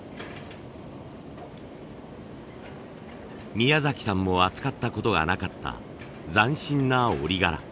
宮崎さんも扱ったことがなかった斬新な織り柄。